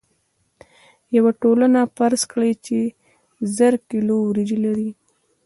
یوه ټولنه فرض کړئ چې زر کیلو وریجې لري.